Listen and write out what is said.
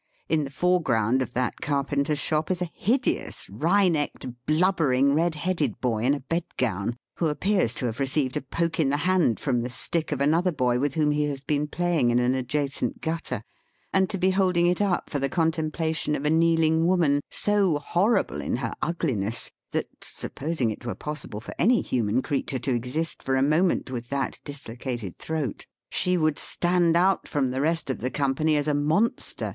In the foreground of that carpenter's shop is a hideous, wry necked, blubbering, red headed boy, in a bed gown ; who appears to have received a poke in the hand, from the stick of another boy with whom he has been playing in an adjacent guttei , and to be holding it up for the contemplation of a kneeling woman, so horrible in her ugli ness, that (supposing it were possible for any human creature to exist for a moment with that dislocated throat) she would stand out from the rest of the company as a Monster, in VOL.